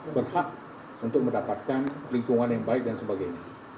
berhak untuk mendapatkan lingkungan yang baik dan sebagainya